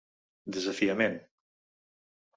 Desafiament.